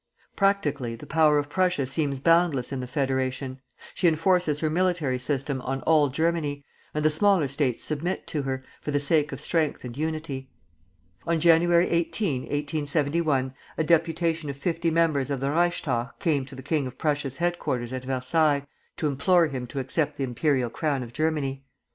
Practically the power of Prussia seems boundless in the federation; she enforces her military system on all Germany, and the smaller States submit to her, for the sake of strength and unity. On Jan. 18, 1871, a deputation of fifty members of the Reichstag came to the king of Prussia's headquarters at Versailles to implore him to accept the imperial crown of Germany.